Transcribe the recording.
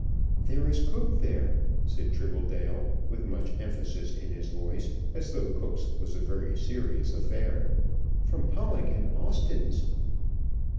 "There is Cooke there," said Tribbledale, with much emphasis in his voice, as though Cooke's was a very serious affair; "from Pollock and Austen's."